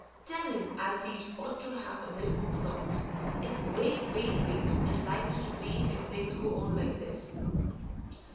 Tell him as he'd ought to have a bit more thought. It's wait, wait, wait, and likely to be if things go on like this.